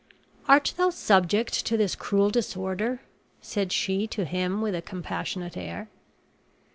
"Art thou subject to this cruel disorder?" said she to him with a compassionate air.